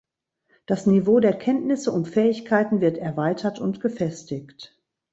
Das Niveau der Kenntnisse und Fähigkeiten wird erweitert und gefestigt.